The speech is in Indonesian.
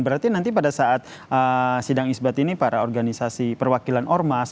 berarti nanti pada saat sidang isbat ini para organisasi perwakilan ormas